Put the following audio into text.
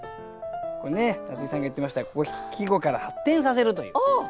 これね夏井さんが言ってました季語から発展させるという。